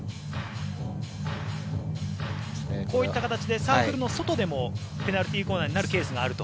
こういった形でサークルの外でもペナルティーコーナーになるケースがあると。